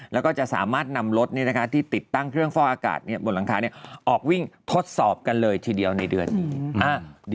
แล้วก็จะสามารถนำรถที่ติดตั้งเครื่องฟ่ออากาศบนหลังคาออกวิ่งทดสอบกันเลยทีเดียวในเดือนนี้